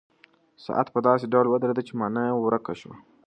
ساعت په داسې ډول ودرېد چې مانا یې ورکه شوه.